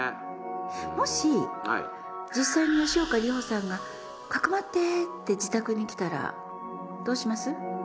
もし実際に吉岡里帆さんが匿ってって自宅に来たらどうします？